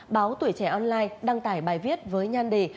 báo tuổi trẻ online đăng tải bài viết với nhan đề